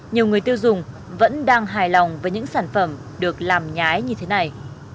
nhiều người tiêu dùng vẫn đang hài lòng với những sản phẩm được làm nhái như thế này